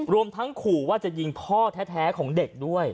รวมทั้งขู่ว่าจะยิงพ่อแท้ของเด็กด้วย